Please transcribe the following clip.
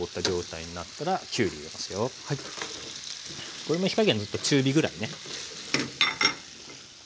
これも火加減ずっと中火ぐらいね。